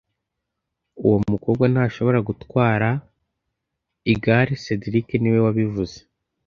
Uwo mukobwa ntashobora gutwara igare cedric niwe wabivuze